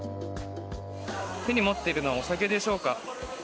手に持っているのはお酒でしょうか。